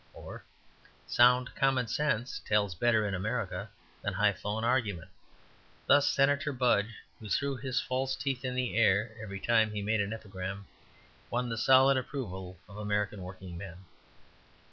Or, "Sound common sense tells better in America than high flown argument. Thus Senator Budge, who threw his false teeth in the air every time he made an epigram, won the solid approval of American working men."